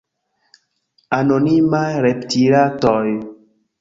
anonimaj retpiratoj